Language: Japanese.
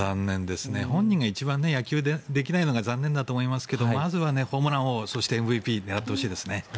本人が一番野球できないのが残念だと思いますがまずはホームラン王、そしてＭＶＰを狙ってほしいですね。